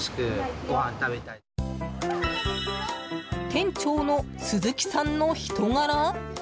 店長の鈴木さんの人柄？